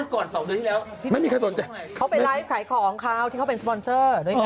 เขาไปไลฟ์ขายของเขาที่เขาเป็นสปอนเซอร์